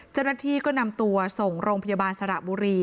เจ้าหน้าที่ก็นำตัวส่งโรงพยาบาลสระบุรี